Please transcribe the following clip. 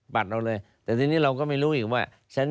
บัตรเราเลยแต่ทีนี้เราก็ไม่รู้อีกว่า